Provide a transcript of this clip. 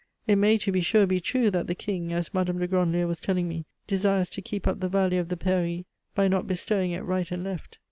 It may, to be sure, be true that the King, as Mme. de Grandlieu was telling me, desires to keep up the value of the pairie by not bestowing it right and left.